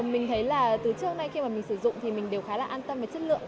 mình thấy là từ trước nay khi mà mình sử dụng thì mình đều khá là an tâm về chất lượng